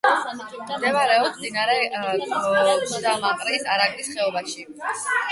მდებარეობს მდინარე გუდამაყრის არაგვის ხეობაში.